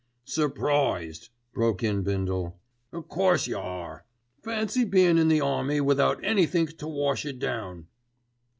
"Surprised," broke in Bindle. "O' course you are. Fancy bein' in the army without anythink to wash it down.